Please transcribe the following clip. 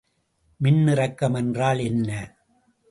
மின்னிறக்கம் என்றால் என்ன?